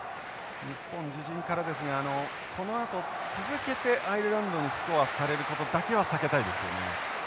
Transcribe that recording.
日本自陣からですがこのあと続けてアイルランドにスコアされることだけは避けたいですよね。